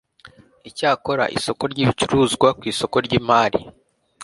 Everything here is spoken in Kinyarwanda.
icyakora isoko ry ibicuruzwa ku isoko ry imari